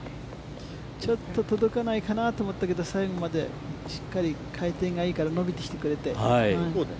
ちょっと届かないかなと思ったけど、最後まで、しっかり回転がいいから、伸びてきてくれて。